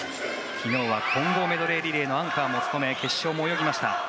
昨日は混合メドレーリレーのアンカーを務め決勝も泳ぎました。